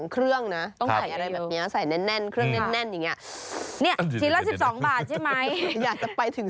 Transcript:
คุณสั่งมาค่ะ๙ชิ้น๑๐๐คุณชนะจ่าย